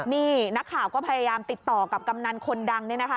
นี่นักข่าวก็พยายามติดต่อกับกำนันคนดังเนี่ยนะคะ